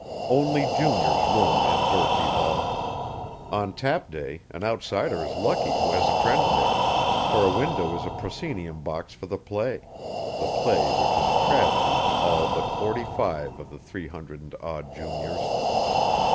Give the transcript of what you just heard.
Only juniors room in Durfee Hall. On Tap Day an outsider is lucky who has a friend there, for a window is a proscenium box for the play the play which is a tragedy to all but forty five of the three hundred and odd juniors.